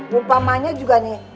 rupanya juga nih